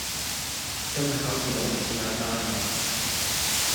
今日考試內容好簡單呀